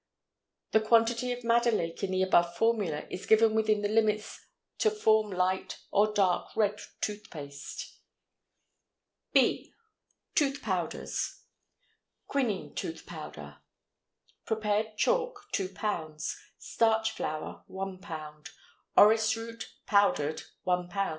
The quantity of madder lake in the above formula is given within the limits to form light or dark red tooth paste. B. Tooth Powders. QUININE TOOTH POWDER. Prepared chalk 2 lb. Starch flour 1 lb. Orris root, powdered 1 lb.